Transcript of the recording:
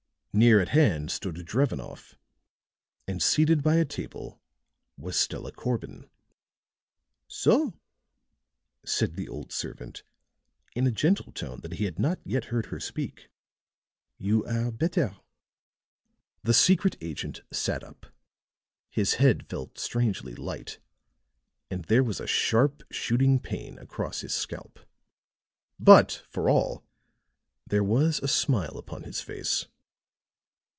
Near at hand stood Drevenoff; and seated by a table was Stella Corbin. "So," said the old servant in a gentle tone that he had not yet heard her speak, "you are better." The secret agent sat up; his head felt strangely light, and there was a sharp, shooting pain across his scalp. But, for all, there was a smile upon his face.